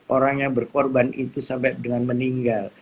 orang yang berkorban itu sampai dengan meninggal